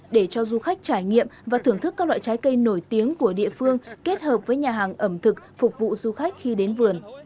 để cho du khách trải nghiệm và thưởng thức các loại trái cây nổi tiếng của địa phương kết hợp với nhà hàng ẩm thực phục vụ du khách khi đến vườn